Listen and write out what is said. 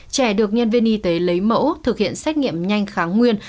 trẻ được nhân viên y tế lấy mẫu thực hiện xét nghiệm nhanh kháng nguyên